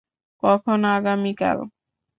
কখন, আগামীকাল?